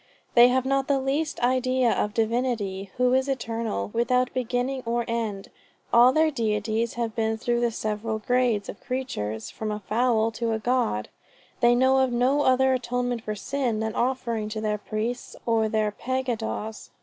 "They have not the least idea of a Divinity who is eternal, without beginning or end. All their deities have been through the several grades of creatures, from a fowl to a God...." "They know of no other atonement for sin, than offerings to their priests or their pagodas."